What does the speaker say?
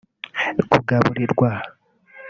kugaburirwa